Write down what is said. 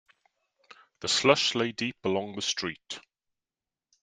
The slush lay deep along the street.